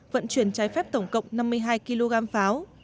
vận chuyển trái phép tổng cộng năm mươi hai kg pháo